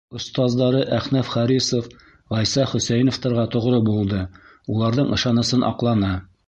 Остаздары Әхнәф Харисов, Ғайса Хөсәйеновтарға тоғро булды, уларҙың ышанысын аҡланы.